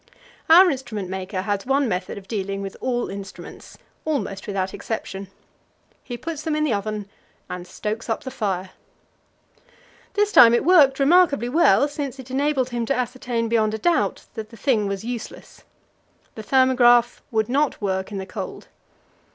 Our instrument maker has one method of dealing with all instruments almost without exception. He puts them in the oven, and stokes up the fire. This time it worked remarkably well, since it enabled him to ascertain beyond a doubt that the thing was useless. The thermograph would not work in the cold.